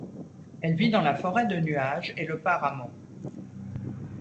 Elle vit dans la forêt de nuage et le páramo.